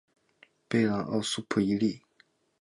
贝朗奥苏普伊利。